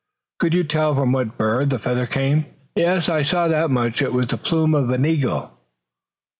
"Could you tell from what bird the feather came?" "Yes, I saw that much. It was the plume of an eagle."